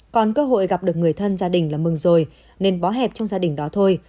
còn cơ hội gặp được người thân gia đình là mừng rồi nên bó hẹp trong gia đình đó thôi